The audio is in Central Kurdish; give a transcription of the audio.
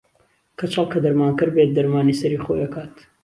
کەچەڵ کە دەرمانکەر بێت دەرمانی سەری خۆی ئەکات